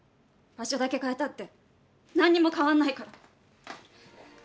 場所だけ変えたって何にも変わんないから。